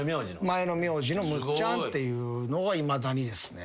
前の名字の「むっちゃん」っていうのがいまだにですね。